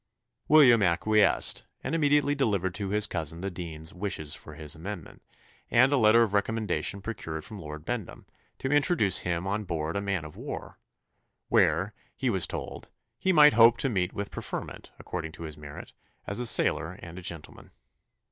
William acquiesced, and immediately delivered to his cousin the dean's "wishes for his amendment," and a letter of recommendation procured from Lord Bendham, to introduce him on board a man of war; where, he was told, "he might hope to meet with preferment, according to his merit, as a sailor and a gentleman."